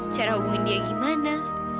cara hubungin dia gimana